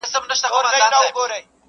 • سخت حالت سره مخ ده,